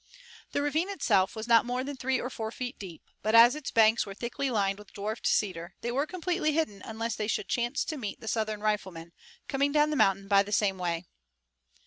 The ravine itself was not more than three or four feet deep, but as its banks were thickly lined with dwarfed cedar they were completely hidden unless they should chance to meet the Southern riflemen, coming down the mountain by the same way.